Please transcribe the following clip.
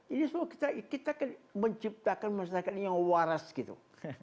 ini semua kita menciptakan masyarakat yang waras gitu